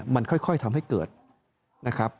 มันค่อยทำให้เกิดนะครับ